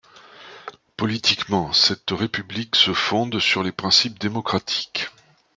Politiquement, cette république se fonde sur les principes démocratiques.